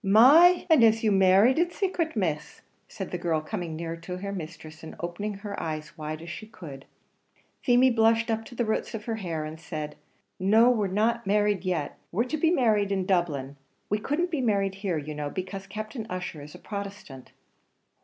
"My! and is you married in sacret, Miss?" said the girl, coming nearer to her mistress, and opening her eyes as wide as she could. Feemy blushed up to the roots of her hair, and said, "No, we're not married yet; we're to be married in Dublin; we couldn't be married here you know, because Captain Ussher is a Protestant."